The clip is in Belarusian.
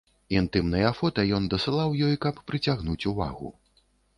Інтымныя фота ён дасылаў ёй, каб прыцягнуць увагу.